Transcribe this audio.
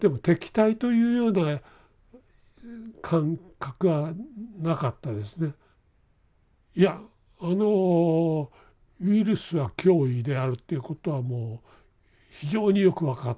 例えば当然いやあのウイルスは脅威であるっていうことはもう非常によく分かってます。